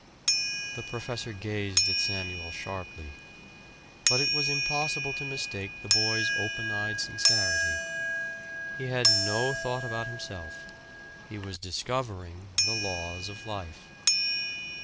The professor gazed at Samuel sharply. But it was impossible to mistake the boy's open eyed sincerity. He had no thought about himself he was discovering the laws of life.